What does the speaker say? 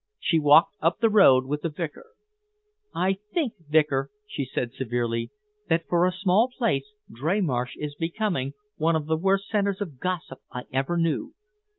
She walked up the road with the vicar. "I think, Vicar," she said severely, "that for a small place, Dreymarsh is becoming one of the worst centres of gossip I ever knew.